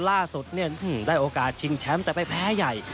ล่าสุดได้โอกาสชิงแชมป์แต่ไปแพ้ใหญ่